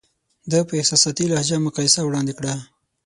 ده په احساساتي لهجه مقایسه وړاندې کړه.